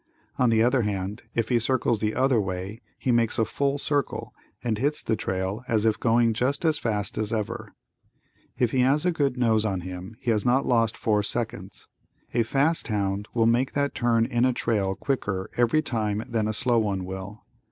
On the other hand, if he circles the other way he makes a full circle and hits the trail and is going just as fast as ever. If he has a good nose on him he has not lost four seconds. A fast hound will make that turn in a trail quicker every time than a slow one will.